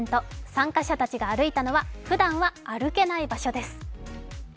参加者たちが歩いたのはふだんは歩けない場所です。